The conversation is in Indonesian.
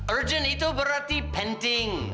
urgent itu berarti penting